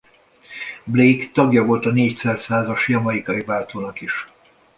Blake tagja volt a négyszer százas jamaicai váltónak is.